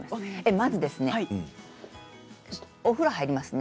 まずお風呂に入りますね